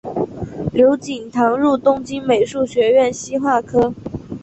刘锦堂入东京美术学校西画科